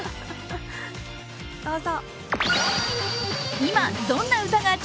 どうぞ。